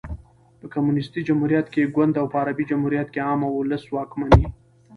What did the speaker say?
په کمونيسټي جمهوریت کښي ګوند او په عربي جمهوریت کښي عام اولس واکمن يي.